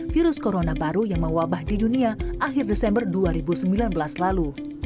virus corona baru yang mewabah di dunia akhir desember dua ribu sembilan belas lalu